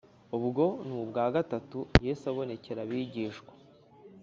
Ubwo ni ubwa gatatu Yesu abonekera abigishwa